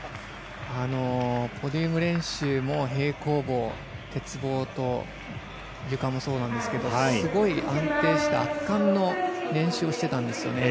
ポディウム練習も平行棒、鉄棒とゆかもそうなんですけどすごい安定した圧巻の練習をしていたんですね。